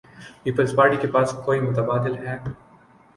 Peoples Party کے پاس کو ئی متبادل ہے؟